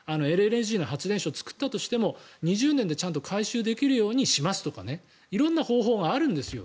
ＬＮＧの発電所を作ったとしても２０年で回収できるようにしますとか色んな方法があるんですよ